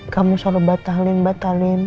kamu selalu batalin batalin